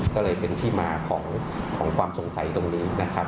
ก็เลยเป็นที่มาของความสงสัยตรงนี้นะครับ